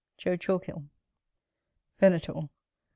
Jo. Chalkhill. Venator.